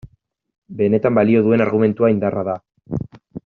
Benetan balio duen argumentua indarra da.